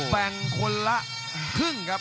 แบ่งคนละครึ่งครับ